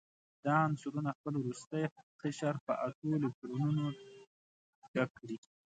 دا عنصرونه خپل وروستی قشر په اتو الکترونونو ډک کړي.